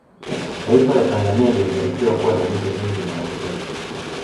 Taifa la Tanzania limebarikiwa kuwa na mito mingi na ya kutosha